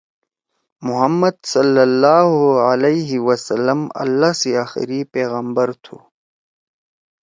محمّد صلی اللّہ علیہ وسّلم اللّہ سی آخری پیغامبر تُھو۔